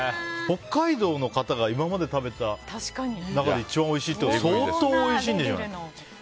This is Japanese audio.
北海道の方が今で食べた中で一番おいしいって相当おいしいんでしょうね。